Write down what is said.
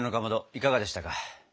いかがでしたか？